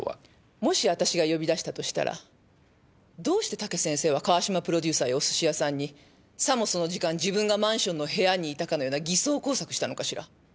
もし私が呼び出したとしたらどうして武先生は川島プロデューサーやお寿司屋さんにさもその時間自分がマンションの部屋にいたかのような偽装工作したのかしら？